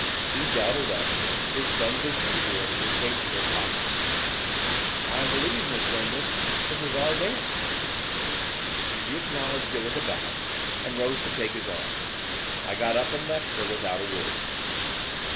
He dawdled up, his thumbs, as usual, in his waistcoat pockets. 'I believe, Miss Lindon, this is our dance.' She acknowledged it with a bow, and rose to take his arm. I got up, and left her, without a word.